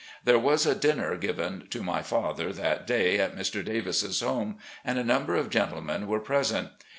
There was a dinner given to my father that day at Mr. Davis's home, and a number of gentlemen were present.